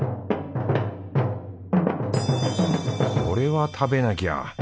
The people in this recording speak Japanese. これは食べなきゃ。